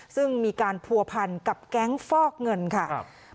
ซึ่งมีการผัวพันกับแก๊งฟอกเงินค่ะ